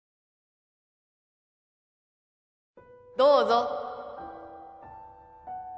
どうぞ